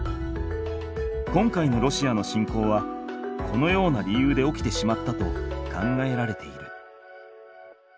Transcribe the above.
今回のロシアの侵攻はこのような理由で起きてしまったと考えられている。